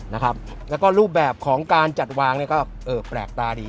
แล้วก็รูปแบบของการจัดวางเนี่ยก็เออแปลกตาดี